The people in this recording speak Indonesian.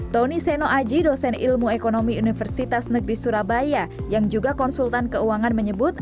tony seno aji dosen ilmu ekonomi universitas negeri surabaya yang juga konsultan keuangan menyebut